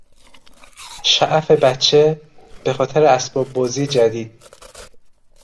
شعف بچه به خاطر اسباب بازی جدید